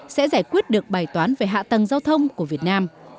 sẽ giải quyết được bài toán về hạ tầng giao thông của việt nam